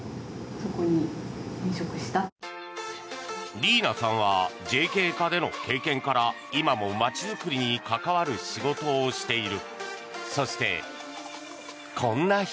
りいなさんはＪＫ課での経験から今も街づくりに関わる仕事をしている。